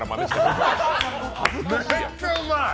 めっちゃうまい。